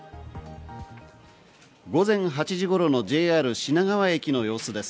午前８時頃のＪＲ品川駅の様子です。